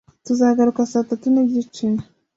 Tuzagaruka saa tatu n'igice.